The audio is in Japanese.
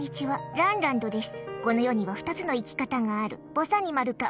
ランランドです。